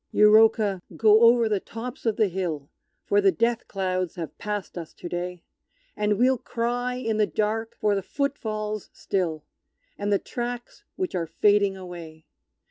Euroka, go over the tops of the hill, For the Death clouds have passed us to day, And we'll cry in the dark for the foot falls still, And the tracks which are fading away!